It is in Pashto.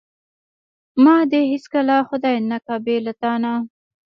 ما دې هیڅکله خدای نه کا بې له تانه.